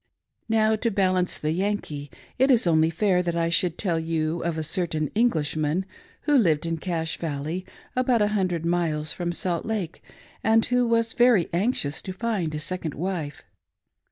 Now, to balance the Yankee, it is only fair that I should tell you of a certain Englishman who lived in Cache Valley, about a hundred miles from Salt Lake, and who was very anx ious to find a second wife.